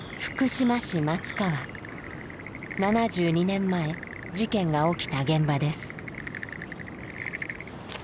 ７２年前事件が起きた現場です。